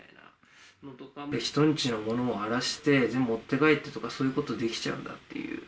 人んちの物を荒らして、持って帰ってとか、そういうことできちゃうかっていう。